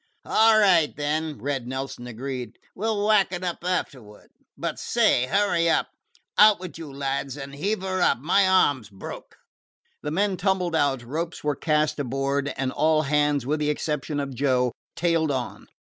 "All right then," Red Nelson agreed. "We 'll whack up afterwards. But, say, hurry up. Out with you, lads, and heave her up! My arm 's broke." The men tumbled out, ropes were cast inboard, and all hands, with the exception of Joe, tailed on.